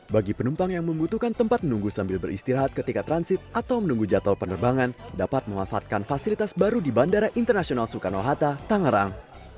bagi penumpang yang membutuhkan tempat menunggu sambil beristirahat ketika transit atau menunggu jadwal penerbangan dapat memanfaatkan fasilitas baru di bandara internasional soekarno hatta tangerang